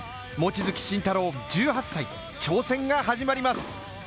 望月慎太郎、１８歳挑戦が始まります。